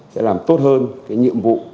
sẽ làm tốt hơn cái nhiệm vụ